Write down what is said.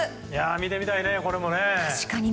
見てみたいね、これもね。